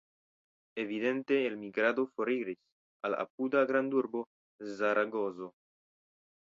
Evidente elmigrado foriris al apuda grandurbo Zaragozo.